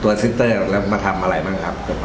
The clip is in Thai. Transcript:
ต้นซิสเตอร์มาทำอะไรมั้งครับ